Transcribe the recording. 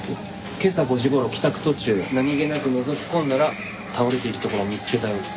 今朝５時頃帰宅途中何げなくのぞき込んだら倒れているところを見つけたようです。